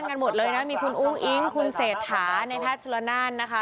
นั่งกันหมดเลยนะมีคุณอู๋อิงคุณเศรษฐานายแพทย์จุฬนาลนะคะ